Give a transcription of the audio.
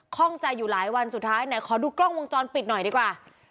ข้องใจอยู่หลายวันสุดท้ายไหนขอดูกล้องวงจรปิดหน่อยดีกว่า